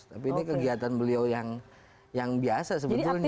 tapi ini kegiatan beliau yang biasa sebetulnya